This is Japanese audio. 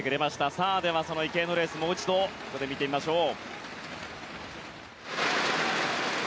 さあ、その池江のレースをもう一度見てみましょう。